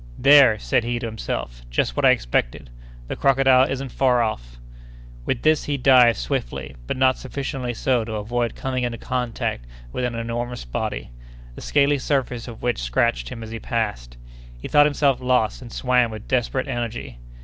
"There!" said he to himself, "just what I expected. The crocodile isn't far off!" With this he dived swiftly, but not sufficiently so to avoid coming into contact with an enormous body, the scaly surface of which scratched him as he passed. He thought himself lost and swam with desperate energy.